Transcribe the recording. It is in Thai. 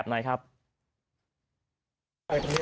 สวัสดีครับคุณผู้ชาย